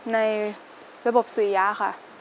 ในระบบสุยาค่ะ